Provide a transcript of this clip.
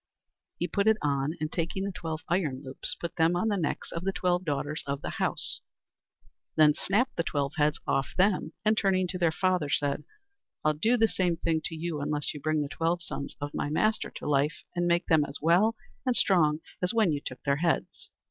He put it on, and taking the twelve iron loops, put them on the necks of the twelve daughters of the house, then snapped the twelve heads off them, and turning to their father, said: "I'll do the same thing to you unless you bring the twelve sons of my master to life, and make them as well and strong as when you took their heads."